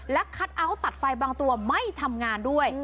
และคัทเอาท์ตัดไฟบางตัวไม่ทำงานด้วย